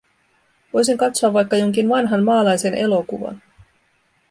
Voisin katsoa vaikka jonkin vanhan maalaisen elokuvan.